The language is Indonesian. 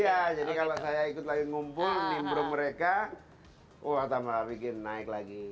iya jadi kalau saya ikut lagi ngumpul nimpro mereka wah tambah bikin naik lagi